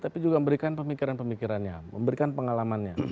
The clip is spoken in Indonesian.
tapi juga memberikan pemikiran pemikirannya memberikan pengalamannya